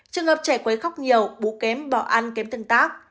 trường hợp trẻ quấy khóc nhiều bú kém bỏ ăn kém tương tác